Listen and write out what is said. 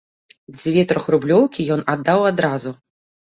Дзве трохрублёўкі ён аддаў адразу.